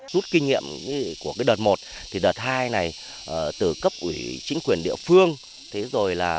rút kinh nghiệm của đợt một đợt hai này từ cấp ủy chính quyền địa phương